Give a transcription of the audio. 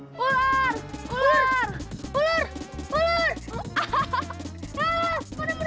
masih mau baby